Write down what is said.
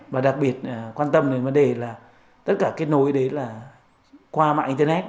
và đặc biệt quan tâm đến vấn đề là tất cả kết nối đấy là qua mạng internet